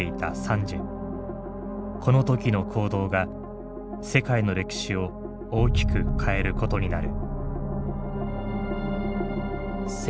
この時の行動が世界の歴史を大きく変えることになる。